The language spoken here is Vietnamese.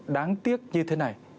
đáng tiếc như thế này